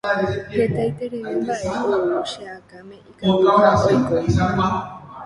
Hetaiterei mba'e ou che akãme ikatuha oiko.